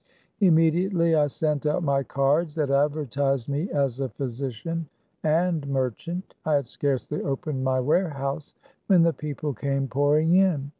Immediately I sent out my cards that advertised me as a physician and merchant. I had scarcely opened my warehouse, when the people came pouring in.